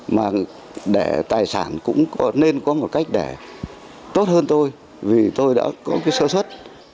mà để tài sản cũng nên có một cách để tốt hơn tôi vì tôi đã có cái sơ xuất